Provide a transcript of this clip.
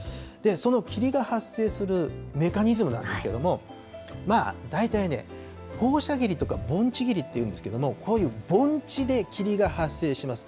その霧が発生するメカニズムなんですけれども、大体ね、放射霧とか盆地霧っていうんですけれども、こういう盆地で霧が発生します。